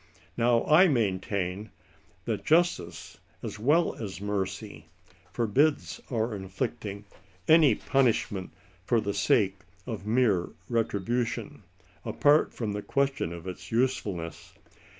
Now I maintain that justice, as well as mercy, forbids our iDflicting any punishment for the sake of mere retribution, " apart from the question" of its usefulness.